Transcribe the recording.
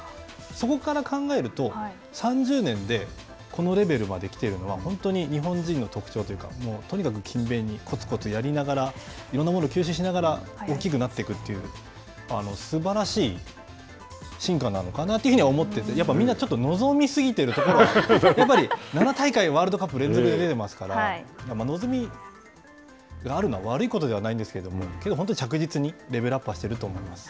そこから考えると３０年でこのレベルまで来ているのは本当に日本人の特徴というかとにかく勤勉にこつこつとやりながらいろんなものを吸収しながら大きくなっていくというすばらしい進化なのかなというふうには思っててやっぱりみんなちょっと望みすぎているところはやっぱり７大会ワールドカップ連続で出てますから望みがあるのは悪いことではないんですけれどもけど本当に着実にレベルアップはしていると思います。